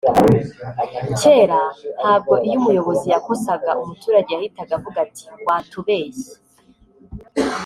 cyera ntabwo iyo umuyobozi yakosaga umutarage yahitaga avuga ati watubeshye